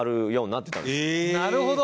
なるほど！